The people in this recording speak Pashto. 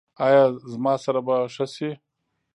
ایا زما سر به ښه شي؟